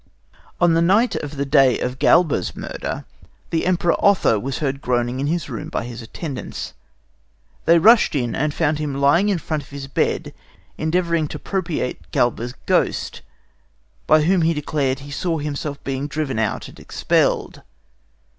On the night of the day of Galba's murder, the Emperor Otho was heard groaning in his room by his attendants. They rushed in, and found him lying in front of his bed, endeavouring to propitiate Galba's ghost, by whom he declared that he saw himself being driven out and expelled.